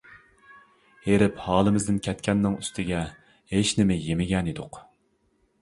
ھېرىپ ھالىمىزدىن كەتكەننىڭ ئۈستىگە ھېچنېمە يېمىگەن ئىدۇق.